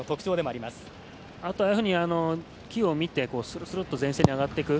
あとは機を見てするすると前線に上がっていく。